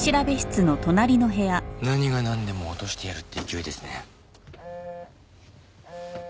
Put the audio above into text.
何がなんでも落としてやるって勢いですね。